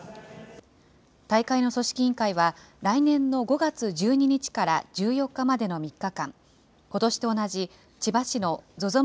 大会の組織委員会は、来年の５月１２日から１４日までの３日間、ことしと同じ千葉市のＺＯＺＯ